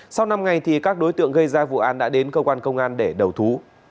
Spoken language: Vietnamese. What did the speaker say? sau năm ngày thì các đối tượng gây ra vụ án đã đến cơ quan công an để đầu thú